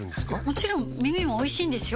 もちろん耳もおいしいんですよ